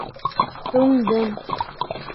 Туңдым!